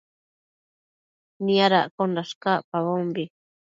Niadaccosh cacpabombi